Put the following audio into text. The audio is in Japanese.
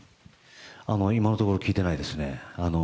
今のところ聞いていませんね。